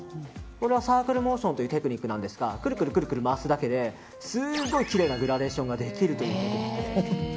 これはサークルモーションというテクニックなんですがくるくる回すだけですごいきれいなグラデーションができるんです。